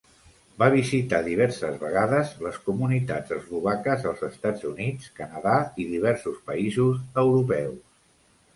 Va visitar diverses vegades les comunitats eslovaques als Estats Units, Canadà i diversos països europeus.